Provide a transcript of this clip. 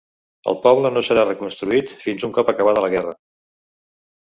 El poble no serà reconstruït fins un cop acabada la guerra.